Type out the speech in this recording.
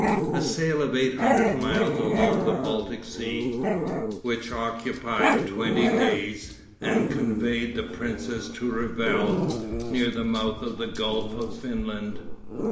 A sail of eight hundred miles along the Baltic Sea, which occupied twenty days, conveyed the princess to Revel, near the mouth of the Gulf of Finland.